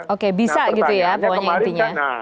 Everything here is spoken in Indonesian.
oke bisa gitu ya bu wanyantinya